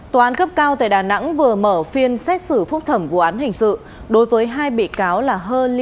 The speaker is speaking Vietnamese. tòa án cấp cao tại đà nẵng vừa mở phiên xét xử phúc thẩm vụ án hình sự đối với hai bị cáo là lê